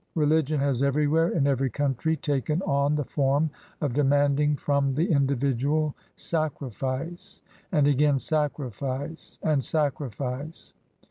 Religion has everywhere, in every country, taken on the form of demanding from the individual sacrifice — ^and again sacrifice — and sacrifice.